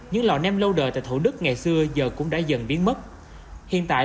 những lò nem lâu đời tại thủ đức ngày xưa giờ cũng đã dần biến mất hiện tại